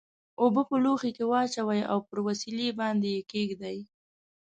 اوبه په لوښي کې واچوئ او پر وسیلې باندې یې کیږدئ.